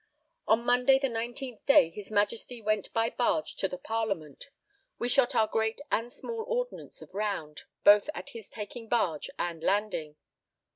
On Monday the 19th day his Majesty went by barge to the Parliament. We shot our great and small ordnance of round, both at his taking barge and landing.